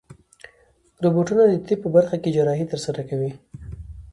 روبوټونه د طب په برخه کې جراحي ترسره کوي.